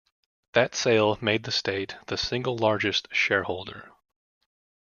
That sale made the state the single largest shareholder.